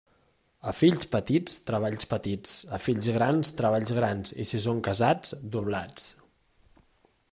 A fills petits, treballs petits; a fills grans, treballs grans, i si són casats, doblats.